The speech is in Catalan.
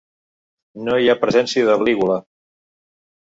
No hi ha presència de lígula.